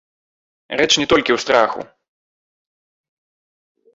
Рэч не толькі ў страху.